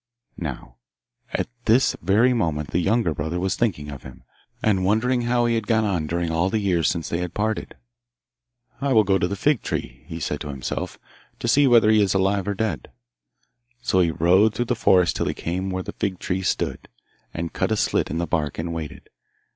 Now at this very moment the younger brother was thinking of him, and wondering how he had got on during all the years since they had parted. 'I will go to the fig tree,' he said to himself, 'to see whether he is alive or dead.' So he rode through the forest till he came where the fig tree stood, and cut a slit in the bark, and waited.